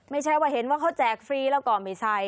ไม่ใช่ว่าเขาแจกฟรีแล้วก่อนไปใส่